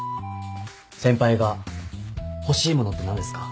先輩が欲しい物って何ですか？